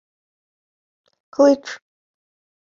— Клич.